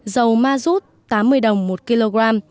dầu ma rút tám mươi đồng một kg